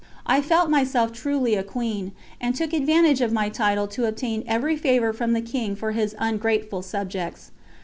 I felt myself truly a queen and took advantage of my title to obtain every favour from the King for His ungrateful subjects.